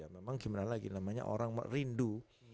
memang gimana lagi namanya orang rindu